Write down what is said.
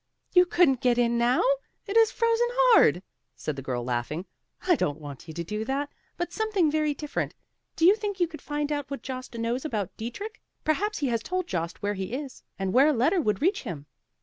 "You couldn't get in now; it is frozen hard," said the girl, laughing. "I don't want you to do that, but something very different. Do you think you could find out what Jost knows about Dietrich? Perhaps he has told Jost where he is, and where a letter would reach him."